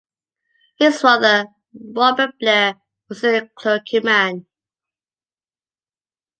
His father, Robert Blair, was a clergyman.